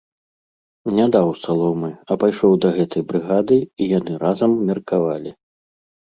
Не даў саломы, а пайшоў да гэтай брыгады, і яны разам меркавалі.